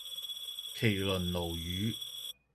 麒麟鱸魚